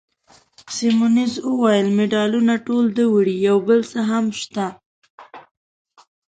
سیمونز وویل: مډالونه ټول ده وړي، یو بل څه هم شته.